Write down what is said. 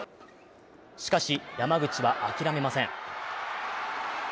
しかし、山口は諦めません。